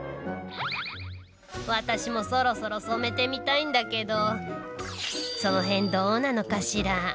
私もそろそろ染めてみたいんだけどその辺どうなのかしら？